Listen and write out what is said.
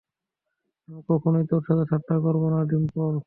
আমি কখনোই তোর সাথে ঠাট্টা করব না, ডিম্পল।